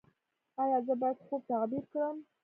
ایا زه باید خوب تعبیر کړم؟